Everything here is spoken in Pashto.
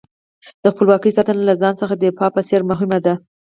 د خپلواکۍ ساتنه له ځان څخه د دفاع په څېر مهمه ده.